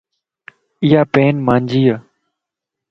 ايا پين مانجي ا